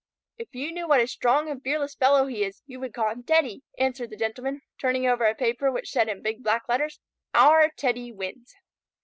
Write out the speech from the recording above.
"If you knew what a strong and fearless fellow he is, you would call him Teddy," answered the Gentleman, turning over a paper which said in big black letters, "Our Teddy Wins."